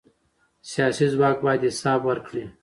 سیاسي ځواک باید حساب ورکړي